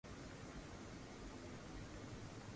Polisi alipigwa risasi akafariki